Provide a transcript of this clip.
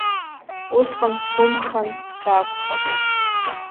Усҟан сгәымхан саақәхап.